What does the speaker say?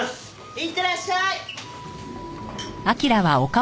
いってらっしゃい。